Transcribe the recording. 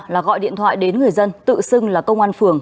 là gọi điện thoại đến người dân tự xưng là công an phường